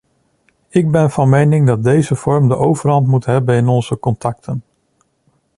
Ik ben van mening dat deze vorm de overhand moet hebben in onze contacten.